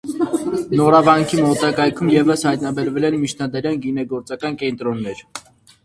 Նորավանքի մոտակայքում ևս հայտնաբերվել են միջնադարյան գինեգործական կենտրոններ։